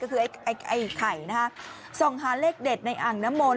ก็คือไอ้ไข่นะฮะส่องหาเลขเด็ดในอ่างน้ำมนต